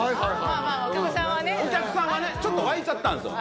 はいうんお客さんはねちょっとわいちゃったんですよ